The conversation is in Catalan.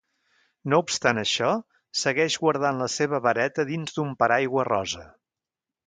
No obstant això, segueix guardant la seva vareta dins d'un paraigua rosa.